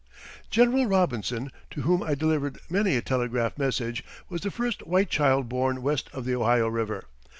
General Robinson, to whom I delivered many a telegraph message, was the first white child born west of the Ohio River.